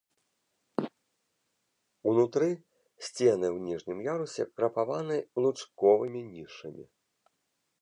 Унутры сцены ў ніжнім ярусе крапаваны лучковымі нішамі.